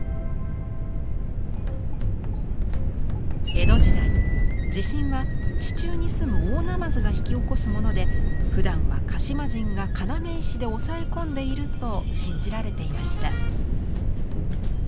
江戸時代地震は地中に棲む大鯰が引き起こすものでふだんは鹿島神が要石で抑え込んでいると信じられていました。